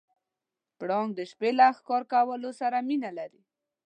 پړانګ د شپې له ښکار کولو سره مینه لري.